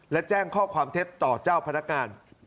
และแจ้งข้อความเท็จต่อเจ้าพนักงาน